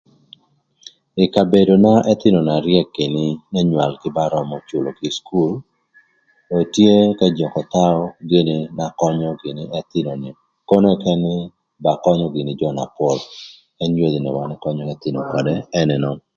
Ï kabedona n'ëthïnö na ryëk gïnï n'ëywölgï ba römö cülögï ï cukul etye k'ëjököthaü gïnï na könyö gïnï ëthïnö ni kono këkën nï ba könyö gïnï jö na pol. Ën yodhi na wan ëkönyö k'ëthïnö ködë ën ënön.